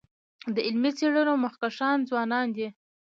د علمي څيړنو مخکښان ځوانان دي.